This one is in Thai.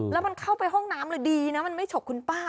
แล้วมันเข้าไปห้องน้ำเลยดีนะมันไม่ฉกคุณป้า